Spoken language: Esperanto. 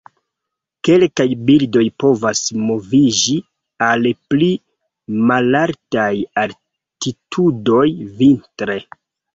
Kelkaj birdoj povas moviĝi al pli malaltaj altitudoj vintre.